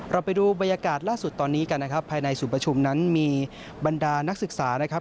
ไปดูบรรยากาศล่าสุดตอนนี้กันนะครับภายในศูนย์ประชุมนั้นมีบรรดานักศึกษานะครับ